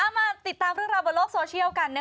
มาติดตามเรื่องราวบนโลกโซเชียลกัน